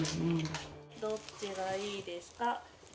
どっちがいいですか？